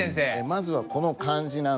まずはこの漢字なんですけど。